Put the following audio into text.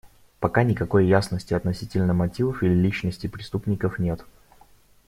Пока никакой ясности относительно мотивов или личностей преступников нет.